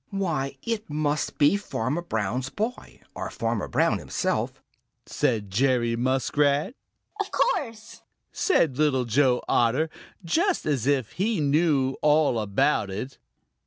"Why, it must be Farmer Brown's boy or Farmer Brown himself," said Jerry Muskrat. "Of course," said Little Joe Otter, just as if he knew all about it.